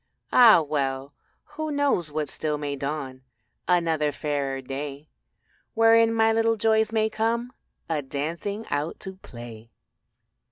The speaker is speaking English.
Ah well, who knows but still may dawn Another fairer day Wherein my little joys may come A dancing out to play.